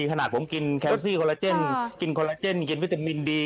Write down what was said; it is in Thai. ขนาดผมกินแคลซี่โคลลาเจนกินคอลลาเจนกินวิตามินดี